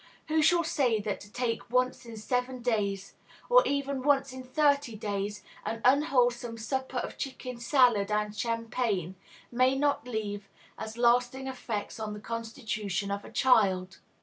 Who shall say that to take once in seven days, or even once in thirty days, an unwholesome supper of chicken salad and champagne may not leave as lasting effects on the constitution of a child?